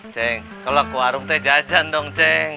ceng kalau ke warung teh jajan dong ceng